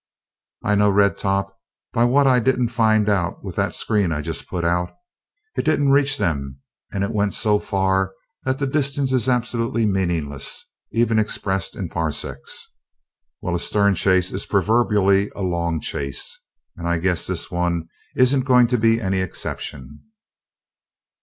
"I know, Red Top, by what I didn't find out with that screen I just put out. It didn't reach them, and it went so far that the distance is absolutely meaningless, even expressed in parsecs. Well, a stern chase is proverbially a long chase, and I guess this one isn't going to be any exception."